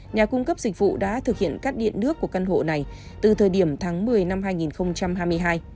nhà cung cấp dịch vụ đã thực hiện cắt điện nước của căn hộ này từ thời điểm tháng một mươi năm hai nghìn hai mươi hai